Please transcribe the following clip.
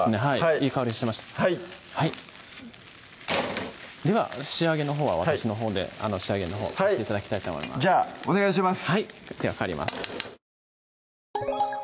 いい香りでは仕上げのほうは私のほうで仕上げのほうさして頂きたいと思いますじゃあお願いします